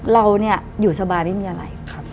เราอยู่สบายไม่มีอะไร